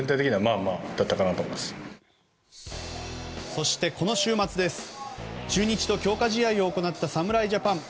そしてこの週末、中日と強化試合を行った侍ジャパン。